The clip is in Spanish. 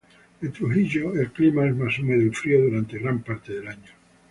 En Trujillo, el clima es más húmedo y frío durante gran parte del año.